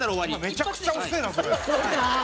めちゃくちゃ遅えなそれ。